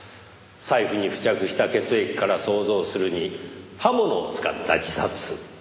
財布に付着した血液から想像するに刃物を使った自殺。